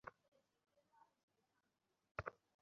স্বাতী শুধু এদিক থেকে আসবে।